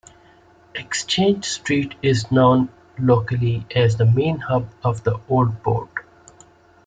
Exchange Street is known locally as the main hub of the Old Port.